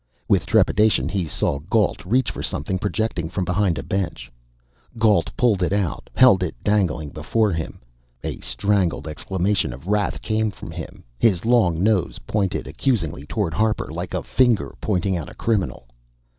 With trepidation, he saw Gault reach for something projecting from behind a bench. Gault pulled it out, held it dangling before him. A strangled exclamation of wrath came from him. His long nose pointed accusingly toward Harper, like a finger pointing out a criminal.